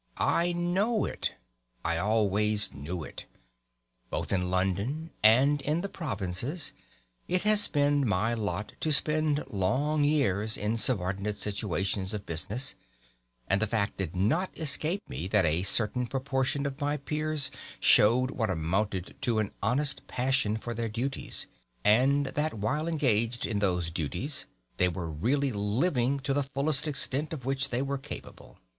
I know it. I always knew it. Both in London and in the provinces it has been my lot to spend long years in subordinate situations of business; and the fact did not escape me that a certain proportion of my peers showed what amounted to an honest passion for their duties, and that while engaged in those duties they were really living to the fullest extent of which they were capable.